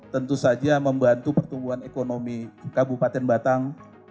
tentu saja membantu pertumbuhan ekonomi kabupaten batang